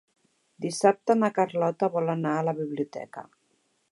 Dissabte na Carlota vol anar a la biblioteca.